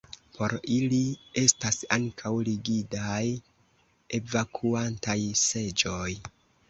Por ili estas ankaŭ rigidaj evakuantaj seĝoj.